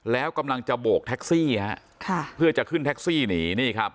แล้วกำลังจะโบกแท็กซี่เพื่อจะขึ้นแท็กซี่หนี